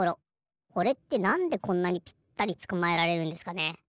これってなんでこんなにぴったりつかまえられるんですかね？